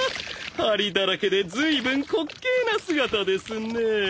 針だらけでずいぶん滑稽な姿ですねぇ。